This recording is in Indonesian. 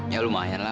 ya lumayan lah